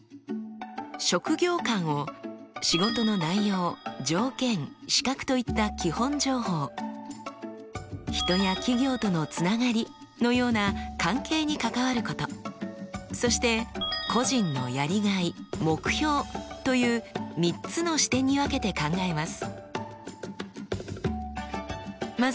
職業観を仕事の内容・条件・資格といった基本情報人や企業とのつながりのような関係に関わることそして個人のやりがい・目標という３つの視点に分けて考えます。